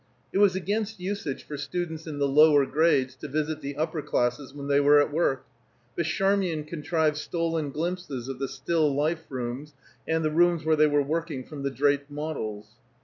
It was against usage for students in the lower grades to visit the upper classes when they were at work; but Charmian contrived stolen glimpses of the still life rooms and the rooms where they were working from the draped models.